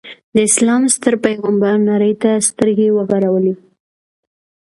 د اسلام ستر پیغمبر نړۍ ته سترګې وغړولې.